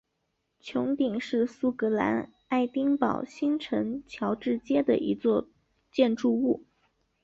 穹顶是苏格兰爱丁堡新城乔治街的一座建筑物。